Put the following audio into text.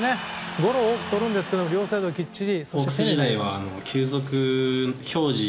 ゴロを多くとるんですけど両サイドきっちり。